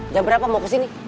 jam berapa mau kesini